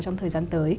trong thời gian tới